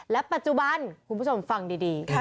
และปัจจุบันคุณผู้ชมฟังดี